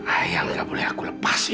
ayah enggak boleh aku lepasin